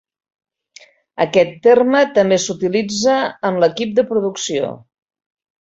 Aquest terme també s'utilitza en l'equip de producció.